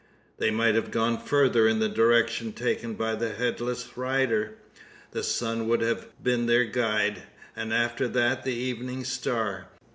They might have gone further in the direction taken by the headless rider. The sun would have been their guide, and after that the evening star.